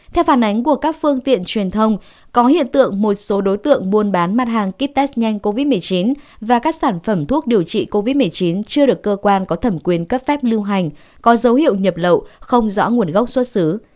theo phản ánh của các phương tiện truyền thông có hiện tượng một số đối tượng buôn bán mặt hàng kit test nhanh covid một mươi chín và các sản phẩm thuốc điều trị covid một mươi chín chưa được cơ quan có thẩm quyền cấp phép lưu hành có dấu hiệu nhập lậu không rõ nguồn gốc xuất xứ